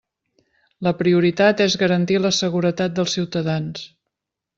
La prioritat és garantir la seguretat dels ciutadans.